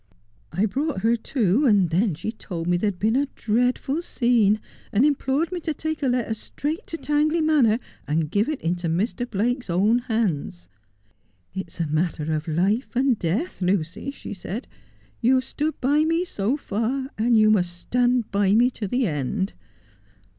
I brought her to, and then she told me there had been a dreadful scene, and implored me to take a letter straight to Tangley Manor, and give it into Mr. Blake's own hands. "It is a matter of life and death, Lucy," she said. " You have stood by me so far, and you must stand by me to the end."